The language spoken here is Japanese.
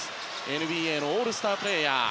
ＮＢＡのオールスタープレーヤー